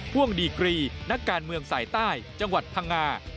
พ่วงดีกรีนักการเมืองสายใต้จังหวัดพังงา